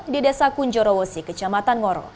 di desa kunjorowosi kecamatan ngoro